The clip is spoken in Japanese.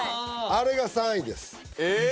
あれが３位ですえ！